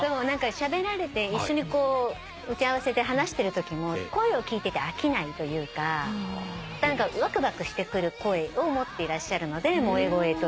しゃべられて一緒に打ち合わせで話してるときも声を聞いてて飽きないというか何かわくわくしてくる声を持っていらっしゃるので萌え声と言ったんですけど。